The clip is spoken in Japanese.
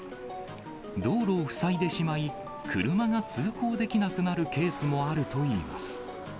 道路を塞いでしまい、車が通行できなくなるケースもあるといいます。